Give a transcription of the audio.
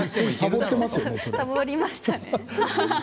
さぼりましたね。